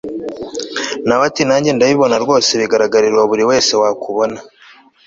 nawe ati nanjye ndabibona rwose bigaragarira buri wese wakubona